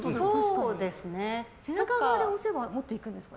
背中側で押せばもっといくんですか？